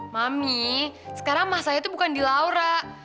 mami sekarang masalahnya tuh bukan di laura